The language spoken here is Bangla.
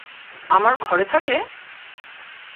আমার ঘরে থাকে?